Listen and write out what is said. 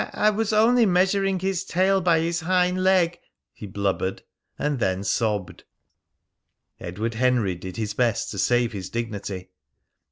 "I I was only measuring his tail by his hind leg," he blubbered, and then sobbed. Edward Henry did his best to save his dignity.